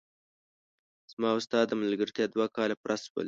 زما او ستا د ملګرتیا دوه کاله پوره شول!